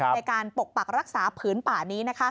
ในการปกปักรักษาพื้นป่านี้นะคะ